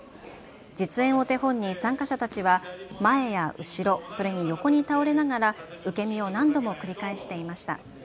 実演を手本に参加者たちは前や後ろ、それに横に倒れながら受け身を何度も繰り返していました。